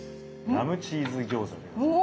ラムチーズ餃子でございます。